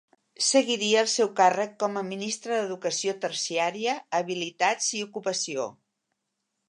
Seguiria el seu càrrec com a Ministre d'Educació Terciària, Habilitats i Ocupació.